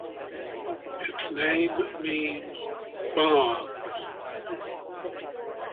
Its name means "bonds".